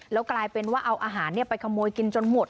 แล้วกลายเป็นว่าเอาอาหารไปขโมยกินจนหมด